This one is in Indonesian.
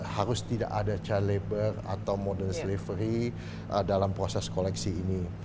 harus tidak ada child labor atau modern slavery dalam proses koleksi ini